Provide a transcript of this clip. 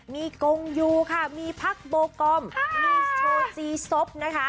มีกงยูค่ะมีพักโบกอมมีโชจีซบนะคะ